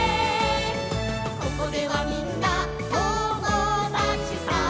「ここではみんな友だちさ」